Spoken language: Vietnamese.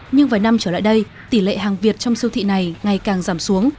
nhưng vài năm trở lại đây tỷ lệ hàng việt trong siêu thị này ngày càng giảm xuống